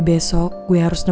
anginnya gue brasile